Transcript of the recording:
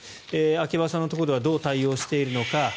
秋葉さんのところはどう対応しているのか。